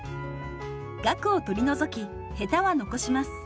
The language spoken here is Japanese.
ガクを取り除きヘタは残します。